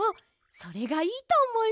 それがいいとおもいます！